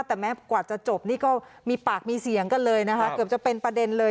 แต่แม้กว่าจะจบนี่ก็มีปากมีเสียงกันเลยนะคะเกือบจะเป็นประเด็นเลย